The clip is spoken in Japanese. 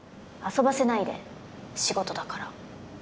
遊ばせないで仕事だから。